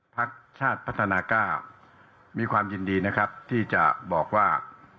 ภักดิ์ชาติพัฒนากามีความยินดีที่จะบอกว่า